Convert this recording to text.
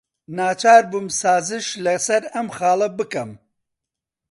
ناچار بووم سازش لەسەر ئەم خاڵە بکەم.